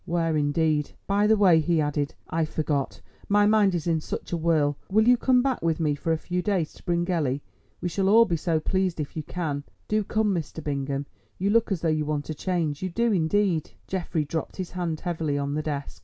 (where indeed!) "By the way," he added, "I forgot; my mind is in such a whirl. Will you come back with me for a few days to Bryngelly? We shall all be so pleased if you can. Do come, Mr. Bingham; you look as though you want a change, you do indeed." Geoffrey dropped his hand heavily on the desk.